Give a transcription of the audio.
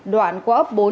đoạn qua ấp bốn